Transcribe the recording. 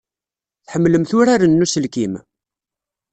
Tḥemmlemt uraren n uselkim?